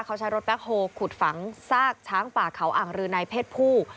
เขาใช้รถแบ็คโฮลขุดฝังซากช้างป่าเขาอ่างรือในเพศผู้